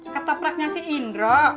ketopraknya si indro